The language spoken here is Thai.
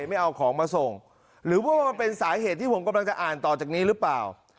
ไม่เอาของมาส่งหรือว่ามันเป็นสาเหตุที่ผมกำลังจะอ่านต่อจากนี้หรือเปล่า